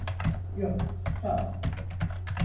Yok, sağol.